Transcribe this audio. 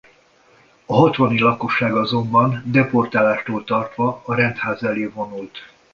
A hatvani lakosság azonban deportálástól tartva a rendház elé vonult.